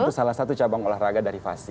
itu salah satu cabang olahraga dari fasi